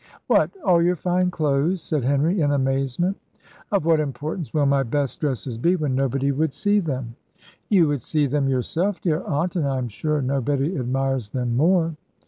"What! all your fine clothes?" said Henry, in amazement. "Of what importance will my best dresses be, when nobody would see them?" "You would see them yourself, dear aunt; and I am sure nobody admires them more."